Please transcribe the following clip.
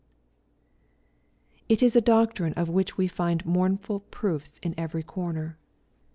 It is a doctrine of which we find mournful proofs in every quarter.